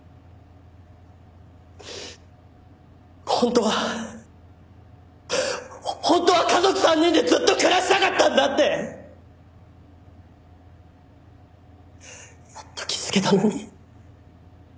本当は本当は家族３人でずっと暮らしたかったんだってやっと気づけたのに。